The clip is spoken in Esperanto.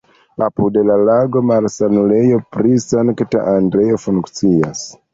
Apud la lago malsanulejo pri Sankta Andreo funkcias.